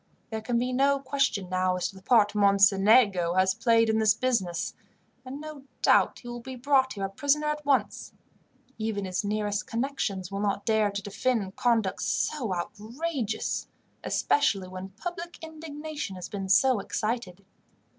There can be no question now as to the part Mocenigo has played in this business, and no doubt he will be brought here a prisoner at once. Even his nearest connections will not dare to defend conduct so outrageous, especially when public indignation has been so excited.